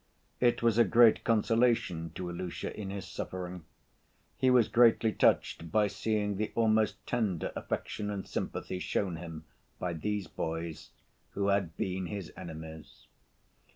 It was a great consolation to Ilusha in his suffering. He was greatly touched by seeing the almost tender affection and sympathy shown him by these boys, who had been his enemies.